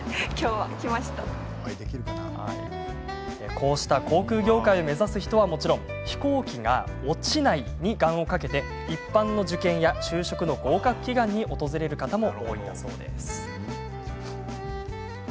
こうした航空業界を目指す人はもちろん飛行機が「落ちない」に願をかけて一般の受験や、就職の合格祈願に訪れる方も多いんだそうです。